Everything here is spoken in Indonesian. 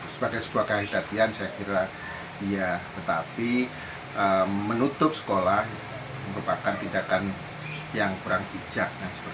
sebagai sebuah kaitanian saya kira ya tetapi menutup sekolah merupakan tindakan yang kurang bijak